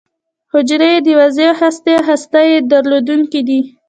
حجرې یې د واضح هستې او هسته چي درلودونکې دي.